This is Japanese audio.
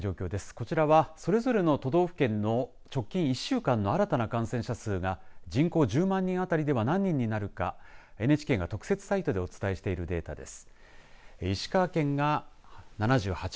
こちらはそれぞれの都道府県の直近１週間の新たな感染者数が人口１０万人当たりでは何人になるかＮＨＫが特設サイトでお伝えしているデータです。